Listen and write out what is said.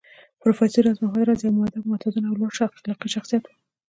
پروفېسر راز محمد راز يو مودب، متوازن او لوړ اخلاقي شخصيت و